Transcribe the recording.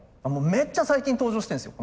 めっちゃ最近登場してるんですよ